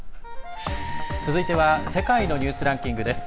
続いては「世界のニュースランキング」。